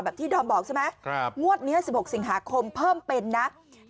ที่ดอมบอกใช่ไหมงวดนี้๑๖สิงหาคมเพิ่มเป็นนะ